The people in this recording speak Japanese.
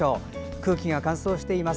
空気が乾燥しています。